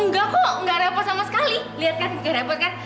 enggak kok nggak repot sama sekali lihat kan gak repot kan